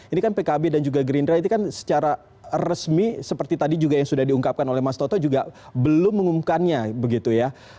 ini kan pkb dan juga gerindra itu kan secara resmi seperti tadi juga yang sudah diungkapkan oleh mas toto juga belum mengumumkannya begitu ya